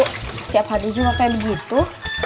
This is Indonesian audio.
siap siap hari juga kayak begitu